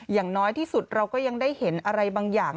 อย่างน้อยที่สุดเราก็ยังได้เห็นอะไรบางอย่าง